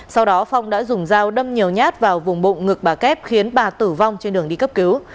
sau đó phong đã dùng dao đâm nhiều nhát vào vùng bụng ngực bà kép khiến bà tử vong trên đường đi cấp cứu